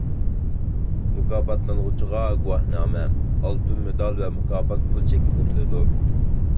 مۇكاپاتلانغۇچىغا گۇۋاھنامە، ئالتۇن مېدال ۋە مۇكاپات پۇل چېكى بېرىلىدۇ.